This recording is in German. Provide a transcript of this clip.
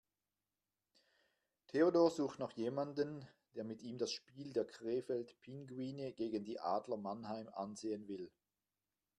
Theodor sucht noch jemanden, der mit ihm das Spiel der Krefeld Pinguine gegen die Adler Mannheim ansehen will.